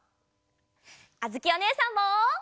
あづきおねえさんも！